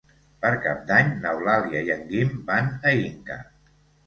Per Cap d'Any n'Eulàlia i en Guim van a Inca.